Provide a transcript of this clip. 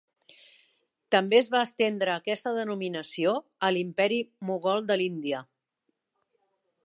També es va estendre aquesta denominació a l'Imperi Mogol de l'Índia.